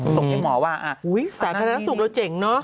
ส่งให้หมอว่าสาธารณสุขเราเจ๋งเนอะ